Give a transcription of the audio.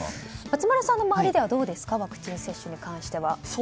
松丸さんの周りではどうですかワクチン接種に関しては。